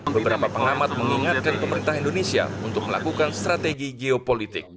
beberapa pengamat mengingatkan pemerintah indonesia untuk melakukan strategi geopolitik